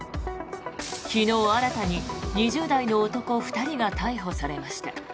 昨日、新たに２０代の男２人が逮捕されました。